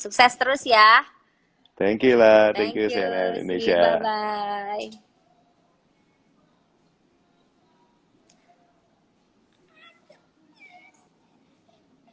terima kasih angga ngobrol bareng bersama cnn indonesia nya